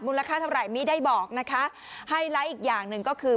มูลค่าเท่าไรมีได้บอกนะคะอีกอย่างหนึ่งก็คือ